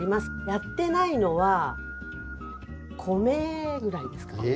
やってないのは米ぐらいですかね。